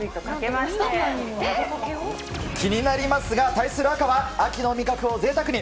気になりますが、対する赤は、秋の味覚をぜいたくに。